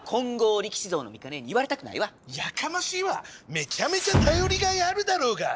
めちゃめちゃ頼りがいあるだろうが！